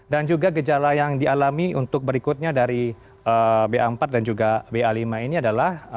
dan juga gejala yang dialami untuk berikutnya dari ba empat dan juga ba lima ini adalah